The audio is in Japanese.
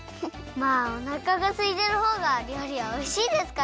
まあおなかがすいてるほうがりょうりはおいしいですから！